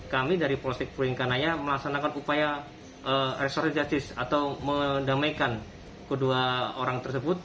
kami dari polsek purwinkanaya melaksanakan upaya resortiasis atau mendamaikan kedua orang tersebut